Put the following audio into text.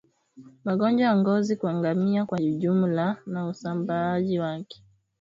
Magonjwa ya ngozi kwa ngamia kwa ujumla na usambaaji wake